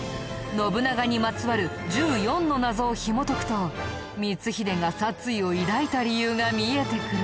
信長にまつわる１４の謎をひもとくと光秀が殺意を抱いた理由が見えてくるよ。